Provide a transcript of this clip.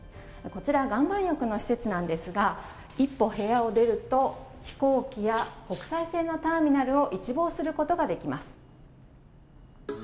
こちら岩盤浴の施設なんですが一歩部屋を出ると飛行機や国際線のターミナルを一望することができます。